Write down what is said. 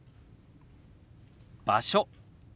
「場所」。